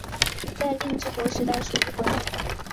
在令制国时代属于河内国。